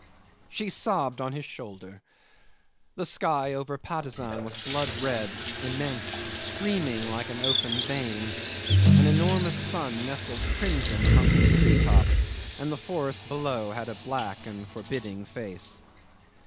'She sobbed on his shoulder. The sky over Patusan was blood red, immense, streaming like an open vein. An enormous sun nestled crimson amongst the tree tops, and the forest below had a black and forbidding face.